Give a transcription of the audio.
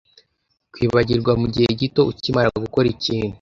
Kwibagirwa mu gihe gito ukimara gukora ikintu